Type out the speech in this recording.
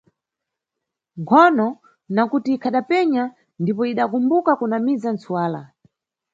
Nkhono, nakuti ikhadapenya, ndipo idakumbuka kunamiza ntsuwala.